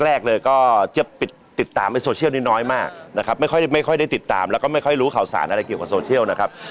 แรกเลยก็จะปิดติดตามในโซเชียลนี้น้อยมากนะครับไม่ค่อยไม่ค่อยได้ติดตามแล้วก็ไม่ค่อยรู้ข่าวสารอะไรเกี่ยวกับโซเชียลนะครับ